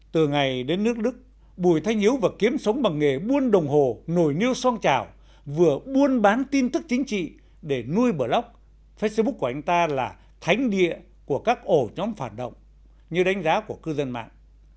từ ngày đến nước đức bùi thanh hiếu vật kiếm sống bằng nghề buôn đồng hồ nổi niêu song trào vừa buôn bán tin thức chính trị để nuôi blog facebook của anh ta là thánh địa của các ổ nhóm phản động như đánh giá của cư dân mạng